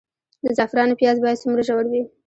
د زعفرانو پیاز باید څومره ژور وي؟